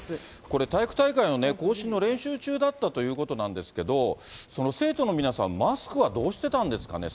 これ、体育大会の行進の練習中だったということなんですけど、生徒の皆さん、マスクはどうしてたんですかね？